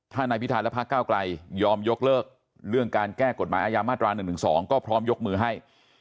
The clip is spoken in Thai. ถ้านายพิธาและพระเก้าไกลยอมยกเลิกเรื่องการแก้กฎหมายอาญามาตรา๑๑๒ก็พร้อมยกมือให้